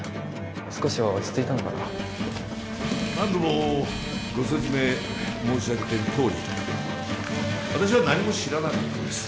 少しは落ち着いたのかな何度もご説明申し上げてるとおり私は何も知らなかったんです